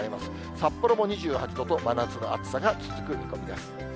札幌も２８度と、真夏の暑さが続く見込みです。